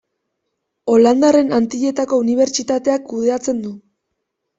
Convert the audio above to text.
Holandarren Antilletako Unibertsitateak kudeatzen du.